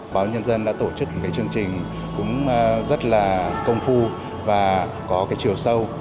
báo nhân dân đã tổ chức một cái chương trình cũng rất là công phu và có cái chiều sâu